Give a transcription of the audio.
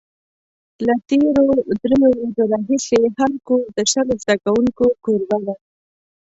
له تېرو درېیو ورځو راهیسې هر کور د شلو زده کوونکو کوربه دی.